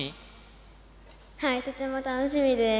はい、とても楽しみです。